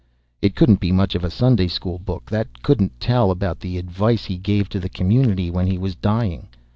It couldn't be much of a Sunday school book that couldn't tell about the advice he gave to the community when he was dying.